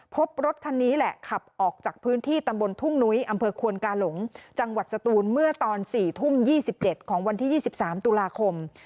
พบรถคันนี้แหละขับออกจากพื้นที่ตำบลทุ่งนุ้ยอำเภอควนกาหลงจังหวัดสตูนเมื่อตอน๔ทุ่ม๒๗ของวันที่๒๓ตุลาคม